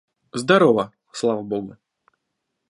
Здорова, слава Богу.